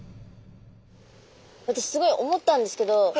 私すごい思ったんですけど